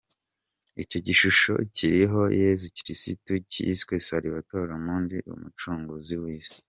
Icyo gishusho kiriho Yezu Kristu, cyiswe Salvator Mundi — ’Umucunguzi w’isi’.